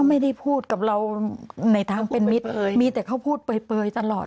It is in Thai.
ไม่ได้พูดกับเราในทางเป็นมิตรมีแต่เขาพูดเปลยตลอด